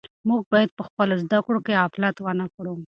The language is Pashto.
موږ باید په خپلو زده کړو کې غفلت ونه کړو.